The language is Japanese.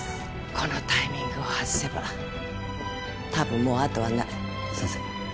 このタイミングを外せば多分もう後はない先生